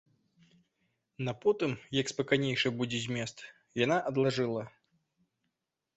На потым, як спакайнейшы будзе змест, яна адлажыла.